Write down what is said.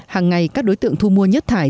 hàng ngày các đối tượng thu mua nhất thải